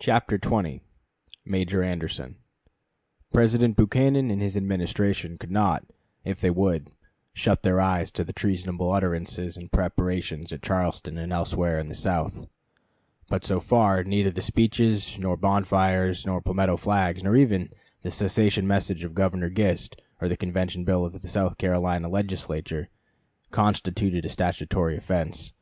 CHAPTER XX MAJOR ANDERSON President Buchanan and his Administration could not, if they would, shut their eyes to the treasonable utterances and preparations at Charleston and elsewhere in the South; but so far neither the speeches nor bonfires nor palmetto flags, nor even the secession message of Governor Gist or the Convention bill of the South Carolina Legislature, constituted a statutory offense.